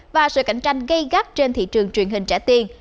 và sự cạnh tranh gây gắt trên thị trường truyền hình trả tiền